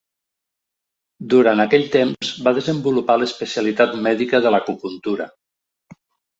Durant aquell temps va desenvolupar l'especialitat mèdica de l'acupuntura.